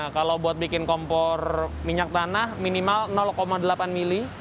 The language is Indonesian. kalau buat bikin kompor minyak tanah minimal delapan mili